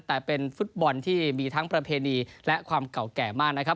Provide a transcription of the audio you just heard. แต่เป็นฟุตบอลที่มีทั้งประเพณีและความเก่าแก่มากนะครับ